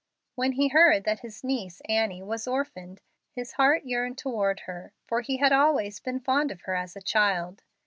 When he heard that his niece, Annie, was orphaned, his heart yearned toward her, for he had always been fond of her as a child.